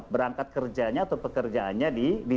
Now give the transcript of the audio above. berangkat kerjanya atau pekerjaannya di